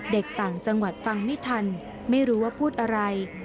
ต่างจังหวัดฟังไม่ทันไม่รู้ว่าพูดอะไร